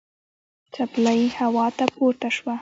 څپلۍ هوا ته پورته شوه.